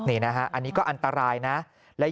อันนี้ก็อันตรายนะ